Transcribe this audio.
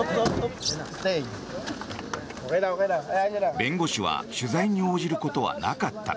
弁護士は取材に応じることはなかった。